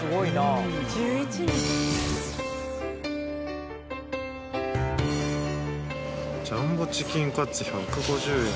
ジャンボチキンカツ１５０円。